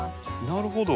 なるほど。